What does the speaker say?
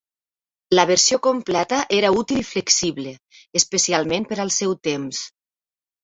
La versió completa era útil i flexible, especialment per al seu temps.